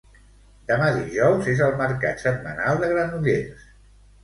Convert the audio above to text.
Demà dijous és el mercat setmanal de Granollers